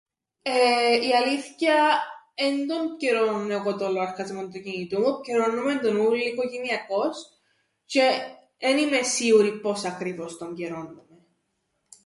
Εεε η αλήθκεια εν τον πκιερώννω εγώ τον λοαρκασμόν του κινητού, πκιερώννουμεν τον οικογενειακώς, τζ̆αι εν είμαι σίουρη πώς ακριβώς τον πκιερώννουμεν.